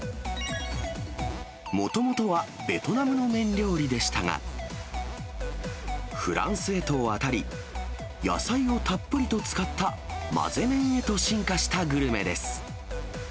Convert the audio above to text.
もともとは、ベトナムの麺料理でしたが、フランスへと渡り、野菜をたっぷりと使った混ぜ麺へと進化したグルメです。